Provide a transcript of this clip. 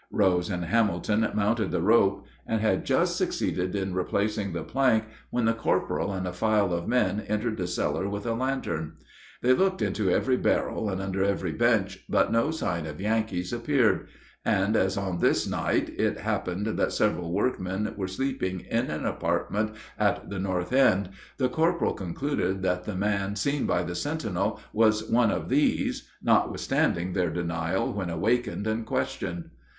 Rose and Hamilton mounted the rope and had just succeeded in replacing the plank when the corporal and a file of men entered the cellar with a lantern. They looked into every barrel and under every bench, but no sign of Yankees appeared; and as on this night it happened that several workmen were sleeping in an apartment at the north end, the corporal concluded that the man seen by the sentinel was one of these, notwithstanding their denial when awakened and questioned.